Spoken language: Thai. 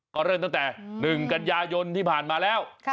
ก็เริ่มตั้งแต่๑กันยายนที่ผ่านมาแล้ว